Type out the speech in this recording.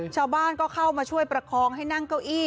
ชาวบ้านก็เข้ามาช่วยประคองให้นั่งเก้าอี้